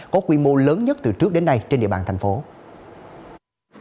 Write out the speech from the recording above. có quy mô lớn nhất từ trước đến nay trên địa bàn tp hcm